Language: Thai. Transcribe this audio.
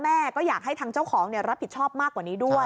แม่ก็อยากให้ทางเจ้าของรับผิดชอบมากกว่านี้ด้วย